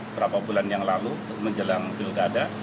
berapa bulan yang lalu menjelang pilkada